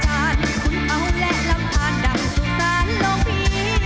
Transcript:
คุณเขาแหละรำทานดังสุดท้านโลกพี่